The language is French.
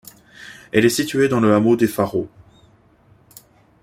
Elle est située dans le hameau des Fareaux.